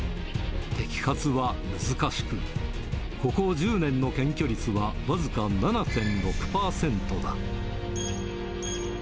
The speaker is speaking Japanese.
摘発は難しく、ここ１０年の検挙率は僅か７．６％だ。